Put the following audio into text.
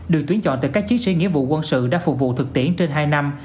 được tuyến chọn từ các chiếc sĩ nghĩa vụ quân sự đã phục vụ thực tiễn trên hai năm